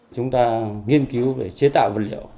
chúng ta nghiên cứu để chế tạo vật liệu